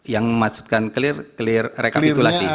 yang memaksudkan clear rekapitulasi